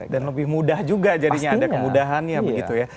dan lebih mudah juga jadinya ada kemudahan ya begitu ya